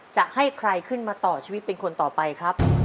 จะให้ใครขึ้นมาต่อชีวิตเป็นคนต่อไปครับ